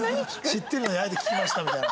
知ってるのにあえて聞きましたみたいな。